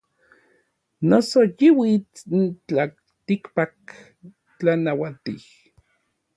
Noso yi uits n tlaltikpak tlanauatij.